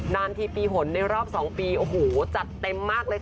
นาทีปีหนในรอบ๒ปีโอ้โหจัดเต็มมากเลยค่ะ